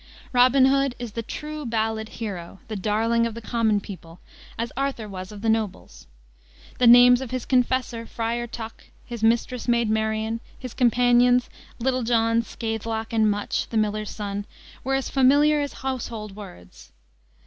Robin Hood is the true ballad hero, the darling of the common people, as Arthur was of the nobles. The names of his Confessor, Friar Tuck; his mistress, Maid Marian; his companions, Little John, Scathelock, and Much, the Miller's son, were as familiar as household words.